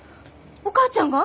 お母ちゃんが？